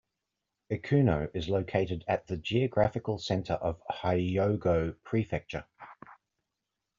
Ikuno is located at the geographical center of Hyogo prefecture.